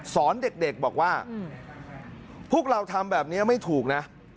สอนเด็กบอกว่าพวกเราทำแบบนี้ไม่ถูกนะ